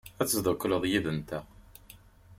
Ad teddukel yid-nteɣ?